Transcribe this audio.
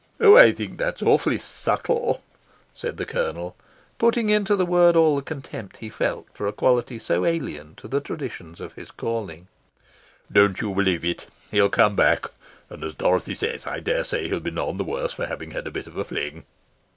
"Oh, I think that's awfully subtle," said the Colonel, putting into the word all the contempt he felt for a quality so alien to the traditions of his calling. "Don't you believe it. He'll come back, and, as Dorothy says, I dare say he'll be none the worse for having had a bit of a fling."